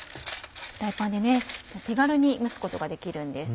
フライパンで手軽に蒸すことができるんです。